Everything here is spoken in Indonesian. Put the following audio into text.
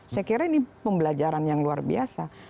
saya kira ini pembelajaran yang luar biasa